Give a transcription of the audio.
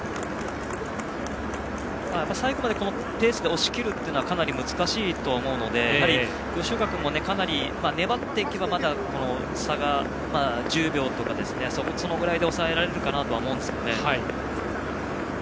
最後までこのペースで押し切るのはかなり難しいと思うので吉岡君も、かなり粘っていけばまだ差が１０秒とかそのぐらいで抑えられるかなと思うんですけどね。